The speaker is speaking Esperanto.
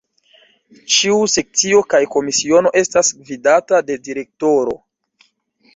Ĉiu Sekcio kaj Komisiono estas gvidata de Direktoro.